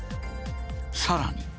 さらに。